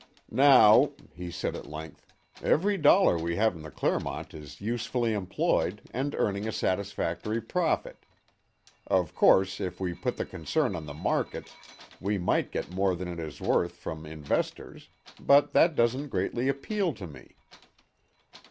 "Now," he said, at length, "every dollar we have in the Clermont is usefully employed and earning a satisfactory profit. Of course, if we put the concern on the market, we might get more than it is worth from investors; but that doesn't greatly appeal to me."